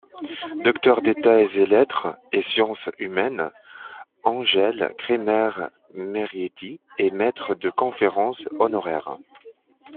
Docteur d’État ès-lettres et sciences humaines, Angèle Kremer-Marietti est maître de conférences honoraire.